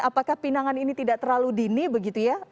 apakah pinangan ini tidak terlalu dini begitu ya